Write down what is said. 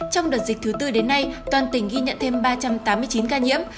trong đợt dịch thứ tư đến nay toàn tỉnh ghi nhận thêm ba trăm tám mươi chín ca nhiễm